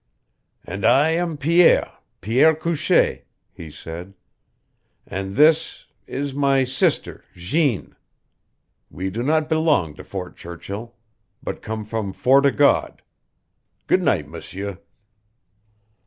"And I am Pierre Pierre Couchee," he said. "And this is my sister Jeanne. We do not belong to Fort Churchill, but come from Fort o' God. Good night, M'sieur!"